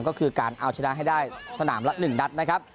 ก็คือการเอาชนะให้ได้สนามละ๑นัดนะครับ